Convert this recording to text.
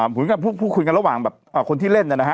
พูดคุยกันระหว่างแบบคนที่เล่นนะฮะ